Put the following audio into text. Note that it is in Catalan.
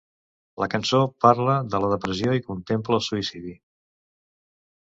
La cançó parla de la depressió i contempla el suïcidi.